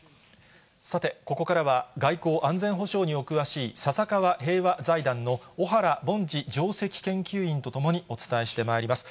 さて、ここからは外交・安全保障にお詳しい、笹川平和財団の小原凡司上席研究員と共にお伝えしてまいります。